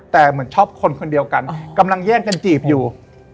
แต่เหมือนชอบคนคนเดียวกันกำลังแย่งกันจีบอยู่